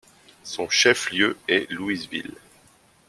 Son chef-lieu est Louiseville.